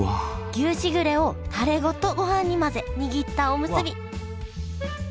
牛しぐれをタレごとごはんに混ぜ握ったおむすび！